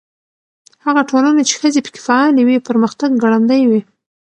هغه ټولنه چې ښځې پکې فعالې وي، پرمختګ ګړندی وي.